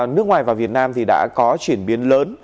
nước ngoài và việt nam thì đã có chuyển biến lớn